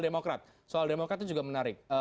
demokrat soal demokrat itu juga menarik